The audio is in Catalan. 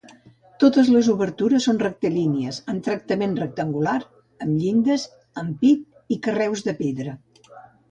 Totes les obertures són rectilínies, amb tractament rectangular, amb llindes, ampit i carreus de pedra.